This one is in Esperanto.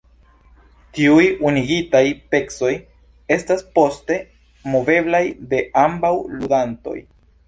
Tiuj unuigitaj pecoj estas poste moveblaj de ambaŭ ludantoj.